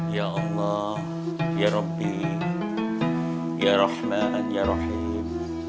ya allah ya robin ya rahman ya rahim